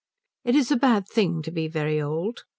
It is a bad thing to be very old.